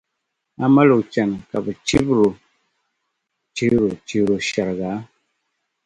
a mali o chani ka bɛ chibiri’ o chihiro-chihiro shɛriga.